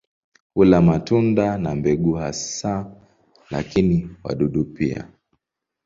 Hula matunda na mbegu hasa, lakini wadudu pia.